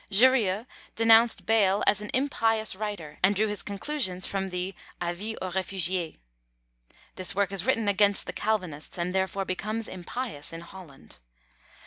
Jurieu denounced Bayle as an impious writer, and drew his conclusions from the "Avis aux Réfugiés." This work is written against the Calvinists, and therefore becomes impious in Holland.